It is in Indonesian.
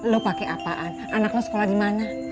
lo pake apaan anak lo sekolah dimana